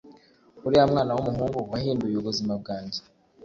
uriya mwana wumuhungu wahinduye ubuzima bwanjye